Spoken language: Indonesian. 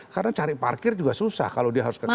karena cari parkir juga susah kalau dia harus ke kantor